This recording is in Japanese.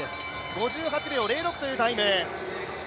５８秒０６というタイム。